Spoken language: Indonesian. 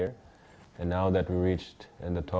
karena saya sudah selesai dengan ini